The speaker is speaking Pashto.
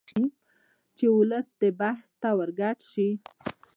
چې ولس دې بحث ته ورګډ شي